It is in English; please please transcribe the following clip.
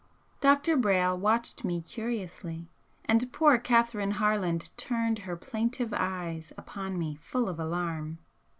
Dr. Brayle watched me curiously, and poor Catherine Harland turned her plaintive eyes upon me full of alarm.